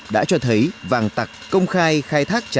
đã cho thấy vàng tặc công khai khai thác trái phép